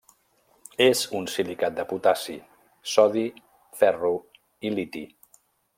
És un silicat de potassi, sodi, ferro i liti.